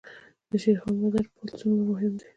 د شیرخان بندر پل څومره مهم دی؟